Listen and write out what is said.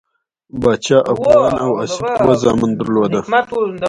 پاچا افغان او آصف دوه زامن درلودل.